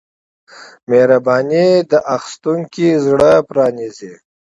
مهرباني د پیرودونکي زړه پرانیزي.